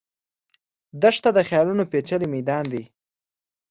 دښته د خیالونو پېچلی میدان دی.